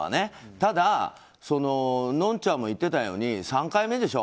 ただのんちゃんも言ってたように３回目でしょ？